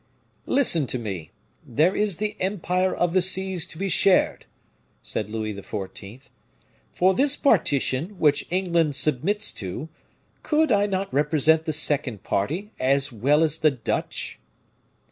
"Listen to me; there is the empire of the seas to be shared," said Louis XIV. "For this partition, which England submits to, could I not represent the second party as well as the Dutch?"